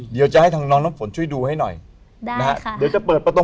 เดี๋ยวจะให้ทางน้องน้ำฝนช่วยดูให้หน่อยได้นะฮะเดี๋ยวจะเปิดประตู